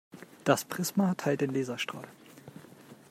Das Prisma teilt den Laserstrahl.